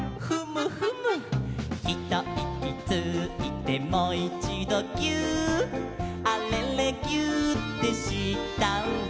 「ひといきついてもいちどぎゅーっ」「あれれぎゅーってしたら」